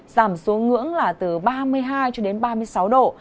giảm số ngưỡng là từ ba mươi hai đến ba mươi sáu độ